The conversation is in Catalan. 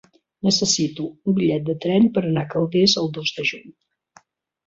Necessito un bitllet de tren per anar a Calders el dos de juny.